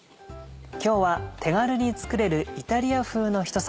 今日は手軽に作れるイタリア風の一皿。